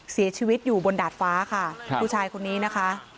เสียชีวิตอยู่บนดาดฟ้าค่ะผู้ชายคนนี้นะคะ